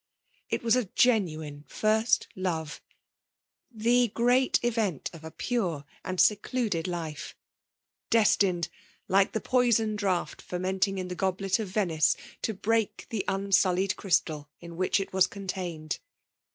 It was a genuine first love — the great event of a pure and secluded life destined, like the poison draught fermenting in a goblet of Venice, to break the unsullied aay0i0X in tvhich it was contained.